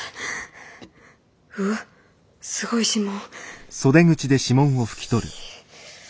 うわっすごい指紋。